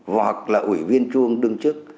hoặc là ủy viên trung ương đương chức